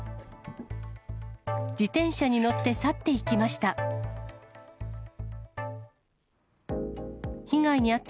自転車に乗って去っていきました。